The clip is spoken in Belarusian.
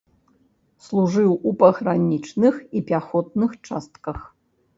Служыў у пагранічных і пяхотных частках.